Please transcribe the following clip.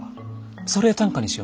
それ短歌にしよ。